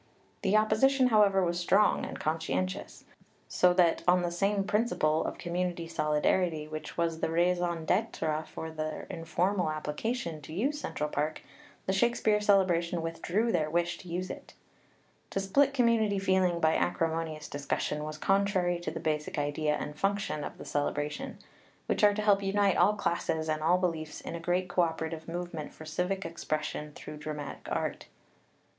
The opposition, however, was strong and conscientious; so that, on the same principle of community solidarity which was the raison d'etre for their informal application to use Central Park, the Shakespeare Celebration withdrew their wish to use it. To split community feeling by acrimonious discussion was contrary to the basic idea and function of the Cele bration, which are to help unite all classes and all beliefs in a great cooperative movement for civic expression through dramatic art.